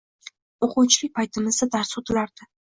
O‘quvchilik paytimizda dars o‘tilardi.